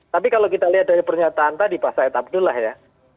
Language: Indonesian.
tapi kalau kita lihat dari pernyataan tadi pak said abdullah ya